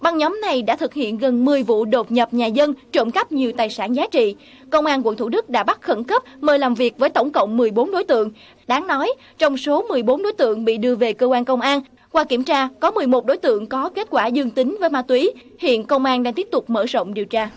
băng nhóm này đã thực hiện gần một mươi vụ đột nhập nhà dân trộm cắp nhiều tài sản giá trị công an quận thủ đức đã bắt khẩn cấp mời làm việc với tổng cộng một mươi bốn đối tượng đáng nói trong số một mươi bốn đối tượng bị đưa về cơ quan công an qua kiểm tra có một mươi một đối tượng có kết quả dương tính với ma túy hiện công an đang tiếp tục mở rộng điều tra